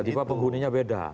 tiba tiba penghuninya beda